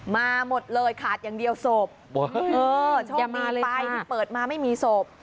มาหมดเลยขาดอย่างเดียวศพโชคดีไปที่เปิดมาไม่มีศพ